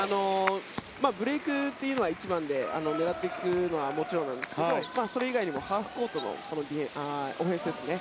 ブレークというのは一番で狙っていくのはもちろんなんですがそれ以外にもハーフコートのオフェンスですね